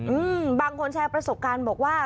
อืมบางคนแชร์ประสบการณ์บอกว่า